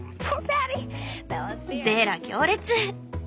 ベラ強烈！